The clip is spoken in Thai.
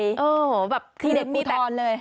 คือแบบกูทอนเลย